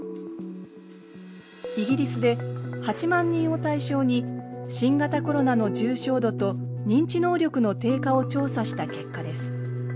イギリスで８万人を対象に新型コロナの重症度と認知能力の低下を調査した結果です。